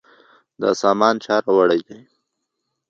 دا سامان چا راوړی دی؟